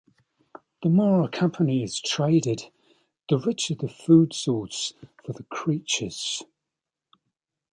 The more a company is traded, the richer the food source for the creatures.